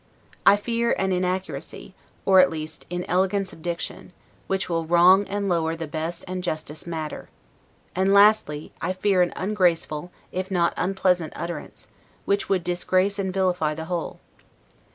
I fear an inaccuracy, or, at least, inelegance of diction, which will wrong, and lower, the best and justest matter. And, lastly, I fear an ungraceful, if not an unpleasant utterance, which would disgrace and vilify the whole.